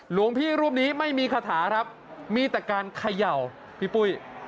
หลวงพี่รูปนี้ไม่มีคาถาครับมีแต่การเขย่าพี่ปุ้ย